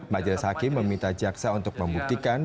majelis hakim meminta jaksa untuk membuktikan